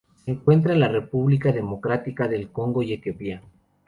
Se encuentra en la República Democrática del Congo y Etiopía.